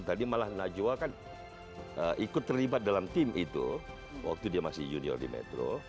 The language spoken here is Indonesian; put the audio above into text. tadi malah najwa kan ikut terlibat dalam tim itu waktu dia masih junior di metro